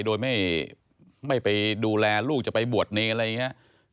โดยไม่ไปดูแลลูกจะไปบวชเนรอะไรอย่างนี้